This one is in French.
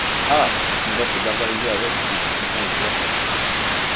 Ah ! ce qu’il va se gargariser avec, en se fichant de toi !